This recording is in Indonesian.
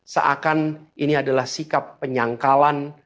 seakan ini adalah sikap penyangkalan